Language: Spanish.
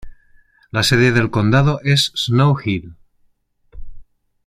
La sede del condado es Snow Hill.